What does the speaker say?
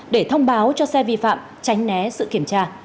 để thông báo cho xe vi phạm tránh né sự kiểm tra